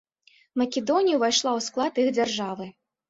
Македонія ўвайшла ў склад іх дзяржавы.